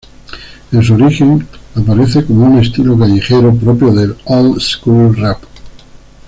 En su origen aparece como un estilo callejero, propio del "old school rap".